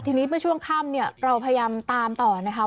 ทีนี้เมื่อช่วงข้ามเราพยายามตามต่อนะครับ